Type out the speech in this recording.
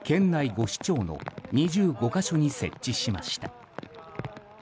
５市町の２５か所に設置しました。